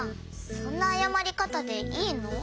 そんなあやまりかたでいいの？